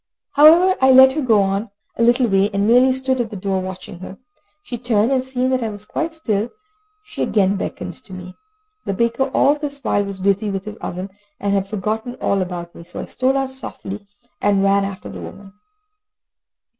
However I let her go on a little way, and merely stood at the door watching her. She turned, and seeing that I was quite still, she again beckoned to me. The baker all this while was busy with his oven, and had forgotten all about me, so I stole out softly, and ran after the woman.